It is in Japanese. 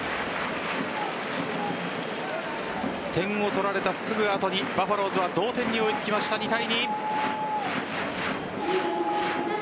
点を取られたすぐ後にバファローズは同点に追いつきました２対２。